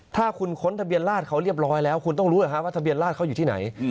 ถ้าคุณค้นทะเบียนราชเขาเรียบร้อยแล้วคุณต้องรู้ว่าทะเบียนราชเขาอยู่ที่ไหน